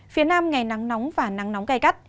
phía nam ngày nắng nóng và nắng nóng cay cắt